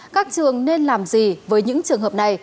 các trường nên làm gì với những trường hợp này